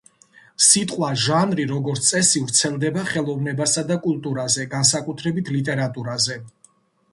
სიტყვა „ჟანრი“, როგორც წესი, ვრცელდება ხელოვნებასა და კულტურაზე, განსაკუთრებით ლიტერატურაზე.